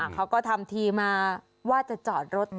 เขาก็ทำทีมาว่าจะจอดรถ